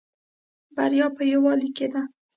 بریا په یوالی کې ده